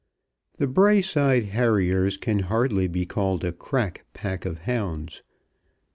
The Braeside Harriers can hardly be called a "crack" pack of hounds.